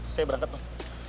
saya berangkat non